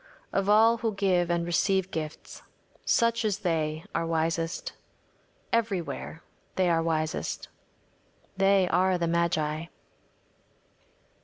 Of all who give and receive gifts, such as they are wisest. Everywhere they are wisest. They are the magi.